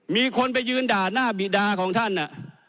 มีคนไปยืนด่าหน้าบิดาของท่าน